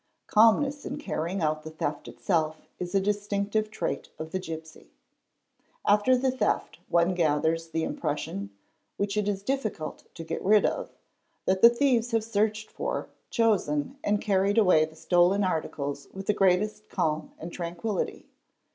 Calmness in carrying out the theft itself is a distinctive trait of the gipsy. After the theft one gathers the impression, which it is difficult to get rid of, that the thieves have searched for, chosen, and carried away the stolen articles with the greatest calm and tranquillity.